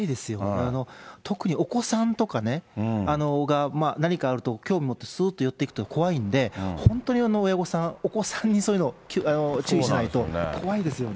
特にお子さんとかね、何かあると、興味持って、すーっと寄っていくと怖いんで、本当に親御さん、お子さんにそういうの、注意しないと怖いですよね。